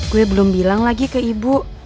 gue belum bilang lagi ke ibu